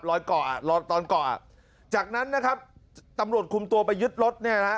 เกาะอ่ะรอยตอนเกาะอ่ะจากนั้นนะครับตำรวจคุมตัวไปยึดรถเนี่ยนะฮะ